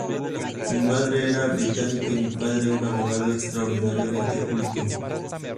Mi madre era británica y mi padre, un abogado extraordinariamente culto.